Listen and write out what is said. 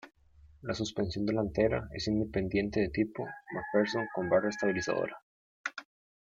La suspensión delantera es independiente de tipo MacPherson con barra estabilizadora.